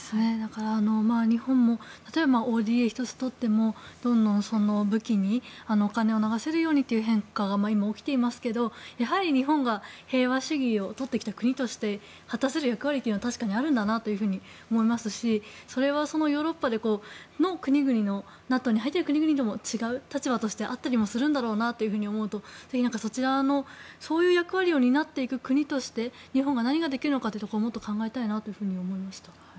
日本も例えばＯＤＡ１つとってもどんどん武器にお金を流すようにという変化が起きていますけどやはり日本が平和主義をとってきた国として果たせる役割というのはあるんだと思いますしそれはヨーロッパの国々のＮＡＴＯに入ってる国々と違う立場としてあったりもするんだろうなと思うとそういう役割を担っていく国として日本が何ができるのかをもっと考えたいと思いました。